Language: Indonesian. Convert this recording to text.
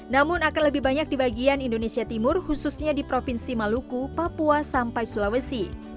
namun akan lebih banyak di bagian indonesia timur khususnya di provinsi maluku papua sampai sulawesi